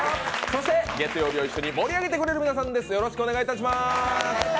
そして、月曜日を一緒に盛り上げてくださる皆さんです。